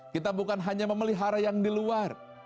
kita bukan hanya memelihara yang di luar